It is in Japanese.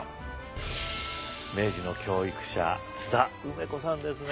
明治の教育者津田梅子さんですね。